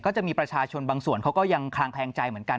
จะมีประชาชนบางส่วนเขาก็ยังคลางแคลงใจเหมือนกัน